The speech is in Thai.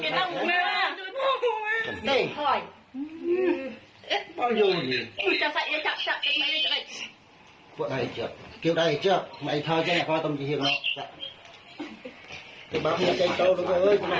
ที่ถูกผลักใจในแบบหยุดตัวแหวะ